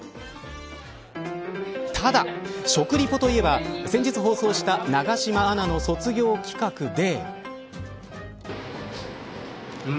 ただ、食リポといえば先日放送した永島アナの卒業企画で。